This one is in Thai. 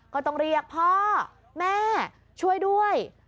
ก็ต้องเรียกพ่อแม่ช่วยด้วย